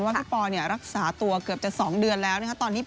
ว่าพี่ปอร์เนี่ยรักษาตัวเกือบจะ๒เดือนแล้ว